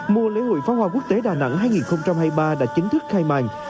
mùa lễ hội phá hoa quốc tế đà nẵng hai nghìn hai mươi ba đã chính thức khai mạng